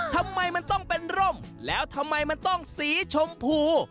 ทำไมมันต้องเป็นร่มแล้วทำไมมันต้องสีชมพู